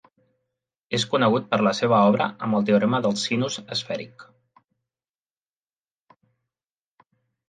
És conegut per la seva obra amb el teorema del sinus esfèric.